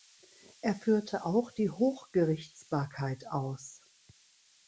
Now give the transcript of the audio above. Er führte auch die Hochgerichtsbarkeit aus.